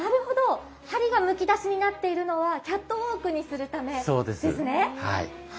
梁がむきだしになっているのはキャットウォークに行くためですね。